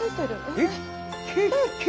えっ？